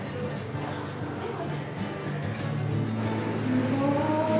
すごい。